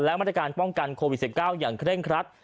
และมาตรการป้องกันโควิด๑๙อย่างเคร่งครัด